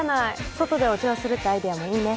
外でお茶をするってアイデアもいいね。